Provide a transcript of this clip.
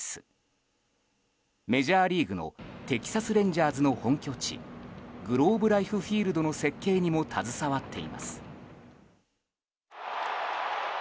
メジャーリーグのテキサス・レンジャーズの本拠地グローブライフ・フィールドの設計にも携わっています。